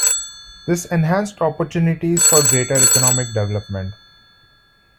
This enhanced opportunities for greater economic development.